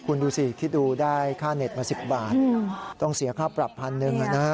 คุณดูสิที่ดูได้ค่าเน็ตมา๑๐บาทต้องเสียค่าปรับ๑๐๐๐บาทนะ